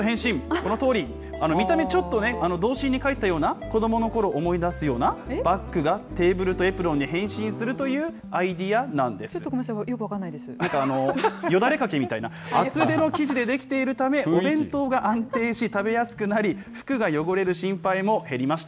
このとおり、見た目ちょっと童心に返ったような、子どものころを思い出すようなバッグがテーブルとエプロンに変身ちょっとごめんなさい、よくよだれ掛けみたいな、厚手の生地で出来ているため、お弁当が安定し、食べやすくなり、服が汚れる心配も減りました。